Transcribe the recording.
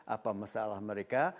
apa masalah mereka